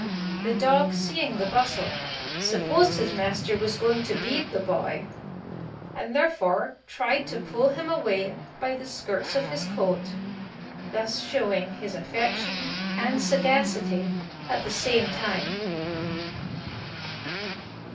The dog seeing the bustle, supposed his master was going to beat the boy, and therefore tried to pull him away by the skirts of his coat, thus showing his affection and sagacity at the same time.